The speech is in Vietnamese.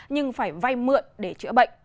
nhưng phải vay mượn để chữa bệnh